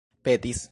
petis